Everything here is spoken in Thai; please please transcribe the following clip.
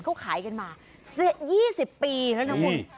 เขาขายกันมา๒๐ปีแล้วนะคุณ